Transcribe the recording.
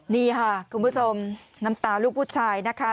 นี่ค่ะคุณผู้ชมน้ำตาลูกผู้ชายนะคะ